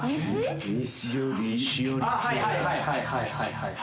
はいはいはい。